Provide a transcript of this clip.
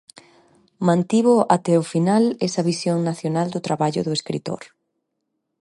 Mantivo até o final esa visión nacional do traballo do escritor.